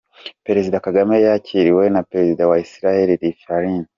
Perezida Kagame yakiriwe na Perezida wa Isiraheli Rivlin:.